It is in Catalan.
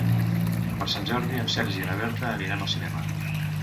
Per Sant Jordi en Sergi i na Berta aniran al cinema.